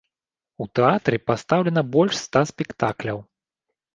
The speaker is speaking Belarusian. У тэатры пастаўлена больш ста спектакляў.